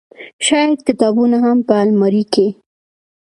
شايد کتابونه هم په المارۍ کې